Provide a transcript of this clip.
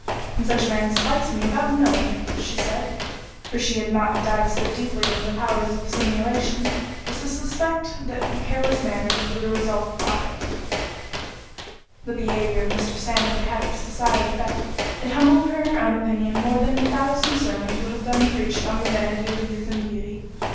"And such a man slights me without knowing it," she said—for she had not dived so deeply into the powers of simulation, as to suspect that such careless manners were the result of art. This behaviour of Mr. Sandford had its desired effect—it humbled her in her own opinion more than a thousand sermons would have done preached on the vanity of youth and beauty.